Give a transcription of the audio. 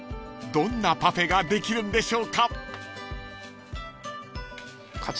［どんなパフェができるんでしょうか？］